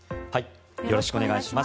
よろしくお願いします。